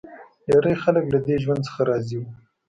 ډېری خلک له دې ژوند څخه راضي و.